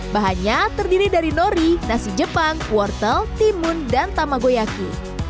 bahannya terdiri dari nori nasi jepang wortel timun dan tamagoyaki